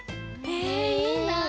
えいいな。